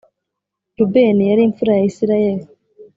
Rubeni yari imfura ya Isirayeli